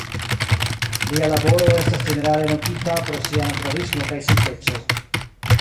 Lia laboro estas ĝenerale notita pro sia naturalismo kaj simpleco.